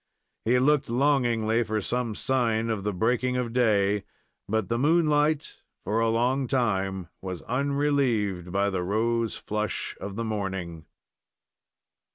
He looked longingly for some sign of the breaking of day, but the moonlight, for a long time, was unrelieved by the rose flush of the morning.